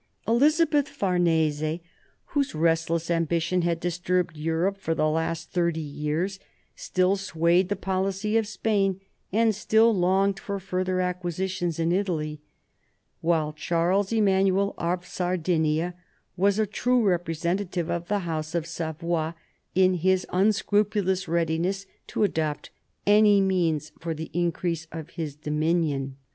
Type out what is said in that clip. Elizabeth Farnese, whose restless ambition had dis turbed Europe for the last thirty years, still swayed the policy of Spain, and still longed for further acquisitions in Italy; while Charles Emanuel of Sardinia was a true representative of the House of Savoy in his un scrupulous readiness to adopt any means for the increase of his dominions.